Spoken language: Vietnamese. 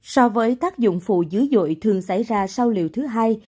so với tác dụng phụ dữ dội thường xảy ra sau liệu thứ hai